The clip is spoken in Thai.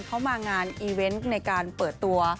เขามางานอีเวนต์ในการเปิดตัว